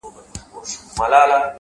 هر منزل خپل درس لري’